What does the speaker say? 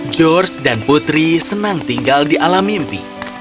george dan putri senang tinggal di alam mimpi